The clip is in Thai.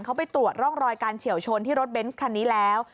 เขาไปตรวจร่องรอยการเฉียวชนที่รถเบนส์คันนี้แล้ว